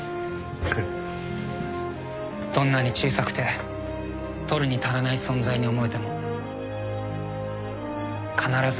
どんなに小さくて取るに足らない存在に思えても必ず意味はあるんです。